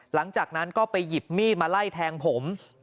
หลังจากนั้นก็ไปหยิบมีดมาไล่แทงผม